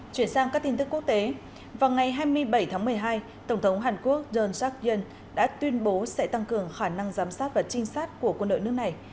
chuyển sang các tin tức quốc tế vào ngày hai mươi bảy tháng một mươi hai tổng thống hàn quốc john seak yen đã tuyên bố sẽ tăng cường khả năng giám sát và trinh sát của quân đội nước này